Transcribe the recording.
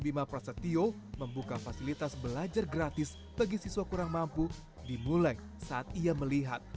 bima prasetyo membuka fasilitas belajar gratis bagi siswa kurang mampu dimulai saat ia melihat